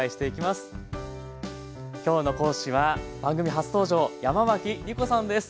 今日の講師は番組初登場山脇りこさんです。